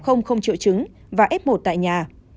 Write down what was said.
không triệu chứng và f một tại nhà